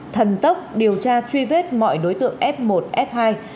thần tốc điều tra truy vết mọi đối tượng f một f hai